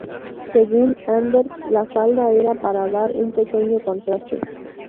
Según Anders la falda era para dar un pequeño contraste.